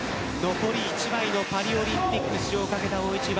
残り１枚のパリオリンピック出場をかけた大一番。